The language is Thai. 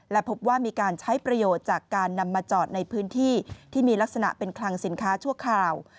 และพบว่ามีการใช้ประโยชน์จากการนำมาจอดในพื้นที่ที่มีลักษณะเป็นคลังสินค้าชั่วคราว